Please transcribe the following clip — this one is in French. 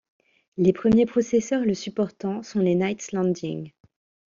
Les premiers processeurs le supportant sont les Knights Landing.